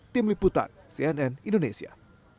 tim liputan cnn indonesia